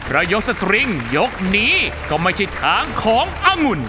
ระยองสตริงยกนี้ก็ไม่ใช่ค้างขององุ่น